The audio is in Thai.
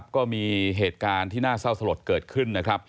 ก็มีเหตุการณ์ที่หน้าเศร้าสะดดเกิดขึ้น